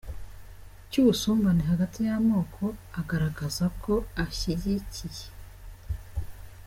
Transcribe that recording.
cy’ubusumbane hagati y’amoko, agaragaza ko ashyigikiye.